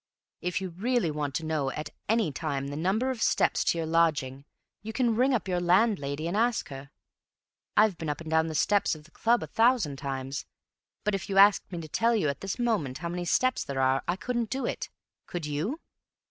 If you really want to know at any time the number of steps to your lodging, you can ring up your landlady and ask her. I've been up and down the steps of the club a thousand times, but if you asked me to tell you at this moment how many steps there are I couldn't do it. Could you?"